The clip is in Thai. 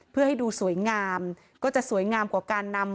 เพื่อให้ดูสวยงามก็จะสวยงามกว่าการนำ